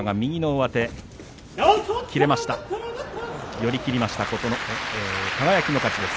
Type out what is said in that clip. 寄り切りました輝の勝ちです。